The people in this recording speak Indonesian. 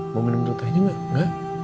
mau minum tehnya gak